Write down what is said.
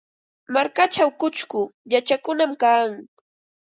Markachaw chusku chakakunam kan.